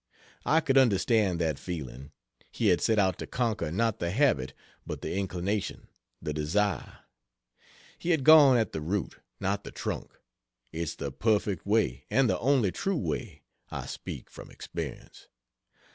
I could understand that feeling. He had set out to conquer not the habit but the inclination the desire. He had gone at the root, not the trunk. It's the perfect way and the only true way (I speak from experience.)